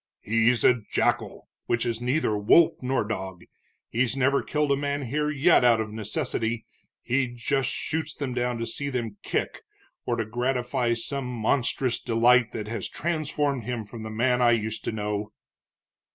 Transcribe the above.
"He's a jackal, which is neither wolf nor dog. He's never killed a man here yet out of necessity he just shoots them down to see them kick, or to gratify some monstrous delight that has transformed him from the man I used to know."